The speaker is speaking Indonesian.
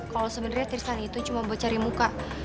kalo sebenernya tristan itu cuma buat cari muka